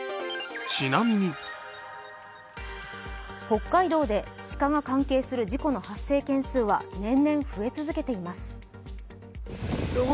北海道で鹿が関係する事故の発生件数は年々増え続けています。